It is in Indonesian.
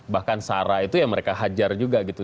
bahkan sarah itu ya mereka hajar juga gitu